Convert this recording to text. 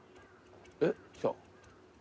えっ来た？